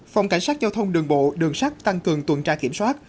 phòng cảnh sát giao thông đường bộ đường sắt tăng cường tuần tra kiểm soát